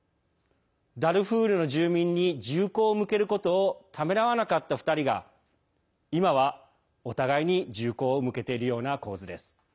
ダルフールの住民に銃口を向けることをためらわなかった２人が今はお互いに銃口を向けているような構図です。